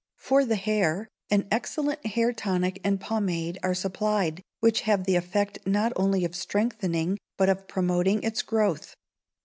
For the hair, an excellent hair tonic and pomade are supplied, which have the effect not only of strengthening, but of promoting its growth.